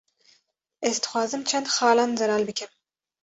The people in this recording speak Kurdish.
Ez dixwazim çend xalan zelal bikim